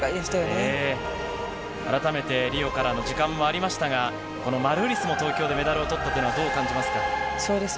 改めてリオからの時間もありましたが、このマルーリスも東京でメダルをとったというのはどう感じますか。